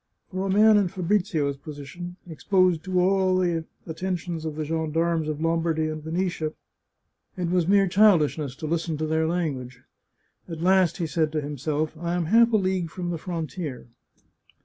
For a man in Fabrizio's position, exposed to all the atten tions of the gendarmes of Lombardy and Venetia, it was mere childishness to listen to their language. At last he said to himself :" I am half a league from the frontier.